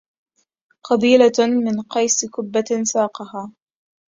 قبيلة من قيس كبة ساقها